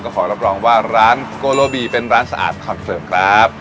ขอรับรองว่าร้านโกโลบีเป็นร้านสะอาดคอนเสิร์ฟครับ